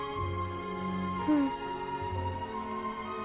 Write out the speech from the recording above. うん。